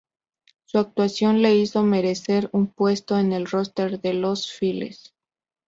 Su actuación le hizo merecer un puesto en el roster de los "Filis".